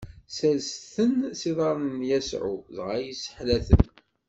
Sersen-ten s iḍarren n Yasuɛ, dɣa yesseḥla-ten.